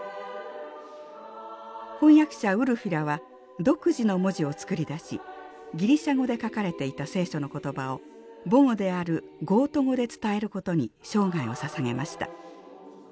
翻訳者ウルフィラは独自の文字を作り出しギリシャ語で書かれていた聖書の言葉を母語であるゴート語で伝えることに生涯をささげました。